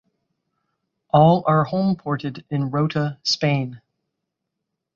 All are homeported in Rota, Spain.